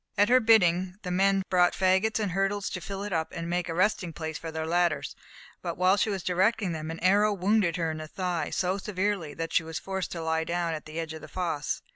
At her bidding the men brought faggots and hurdles to fill it up and make a resting place for their ladders, but while she was directing them, an arrow wounded her in the thigh so severely that she was forced to lie down at the edge of the fosse.